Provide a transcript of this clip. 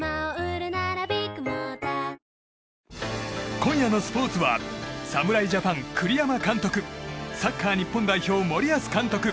今夜のスポーツは侍ジャパン栗山監督サッカー日本代表森保監督